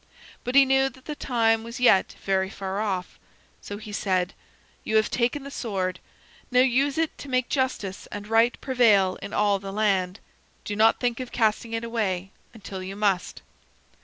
But he knew that the time was yet very far off; so he said: "You have taken the sword. Now use it to make justice and right prevail in all the land. Do not think of casting it away until you must."